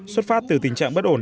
xuất phát từ tình trạng bất ổn